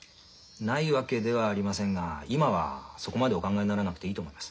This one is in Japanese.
ないわけではありませんが今はそこまでお考えにならなくていいと思います。